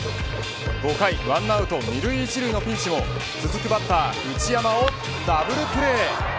５回１アウト２塁１塁のピンチをバッター内山をダブルプレー。